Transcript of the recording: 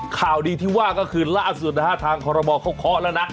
ข่าวดีที่ว่าก็คือล่าสุดนะฮะทางคอรมอลเขาเคาะแล้วนะ